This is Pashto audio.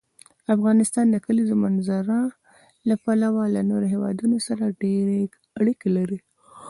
افغانستان د کلیزو منظره له پلوه له نورو هېوادونو سره ډېرې اړیکې لري.